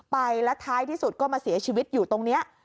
ไปแล้วท้ายที่สุดก็มาเสียชีวิตอยู่ตรงนี้